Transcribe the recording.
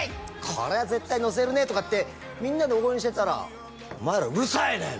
「これは絶対のせるね」とかってみんなで応援してたら「お前らうるさいねん！」